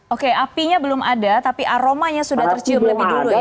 oke apinya belum ada tapi aromanya sudah tercium lebih dulu ya